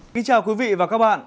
xin chào quý vị và các bạn